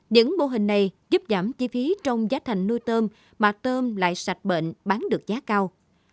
những mô hình này giúp giảm chi phí trong giá thành nuôi tôm mà tôm lại sạch bệnh bán được giá cao